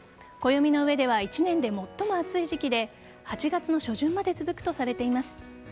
暦の上では１年で最も暑い時期で８月の初旬まで続くとされています。